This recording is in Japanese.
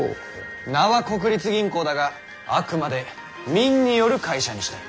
名は国立銀行だがあくまで民による会社にしたい。